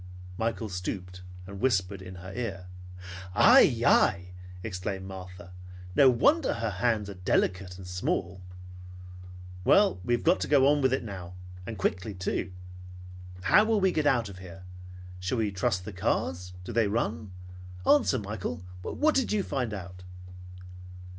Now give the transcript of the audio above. Michael stooped and whispered in her ear. "Ai! Ai!" exclaimed Martha. "No wonder her hands are delicate and small! Well, we have got to go on with it now. And quickly, too. How will we get out of here? Shall we trust the cars? Do they run? Answer, Michael, what did you find out?"